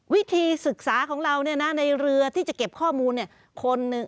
วิธีศึกษาของเราในเรือที่จะเก็บข้อมูลคนหนึ่ง